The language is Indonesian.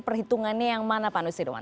perhitungannya yang mana pak nusirwan